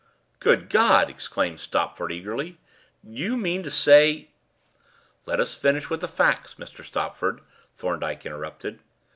"Good God!" exclaimed Stopford eagerly. "Do you mean to say " "Let us finish with the facts, Mr. Stopford," Thorndyke interrupted.